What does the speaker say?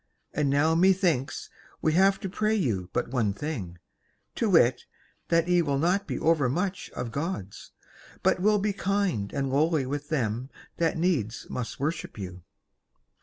And now methinks we have to pray you but one thing, to wit that ye will not be overmuch of Gods, but will be kind and lowly with them that needs must worship you."